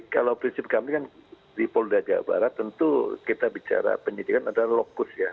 kalau prinsip kami kan di polda jawa barat tentu kita bicara penyidikan adalah lokus ya